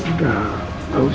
rina jangan sedih